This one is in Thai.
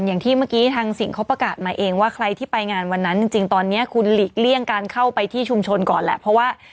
อย่างที่เมื่อกี้ทางสิ่งเขาประกาศมาเองว่าใครที่ไปงานวันนั้นจริงตอนนี้คุณหลีกเลี่ยงการเข้าไปที่ชุมชนก่อนแหละเพราะว่า